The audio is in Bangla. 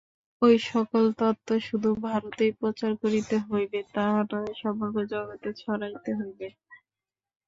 ঐ-সকল তত্ত্ব শুধু ভারতেই প্রচার করিতে হইবে তাহা নহে, সমগ্র জগতে ছড়াইতে হইবে।